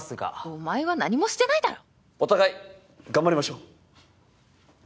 お前は何もしてないだろ！お互い頑張りましょう。